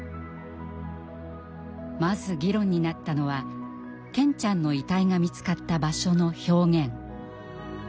まず議論になったのは健ちゃんの遺体が見つかった場所の表現。